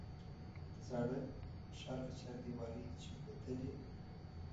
د زاړه ښار له چاردیوالۍ چې ووتلې.